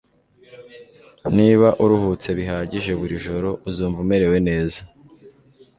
Niba uruhutse bihagije buri joro, uzumva umerewe neza.